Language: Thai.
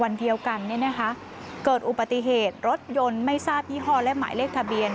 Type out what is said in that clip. วันเดียวกันเกิดอุบัติเหตุรถยนต์ไม่ทราบยี่ห้อและหมายเลขทะเบียน